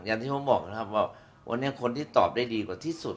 อย่างที่ผมบอกนะครับว่าวันนี้คนที่ตอบได้ดีกว่าที่สุด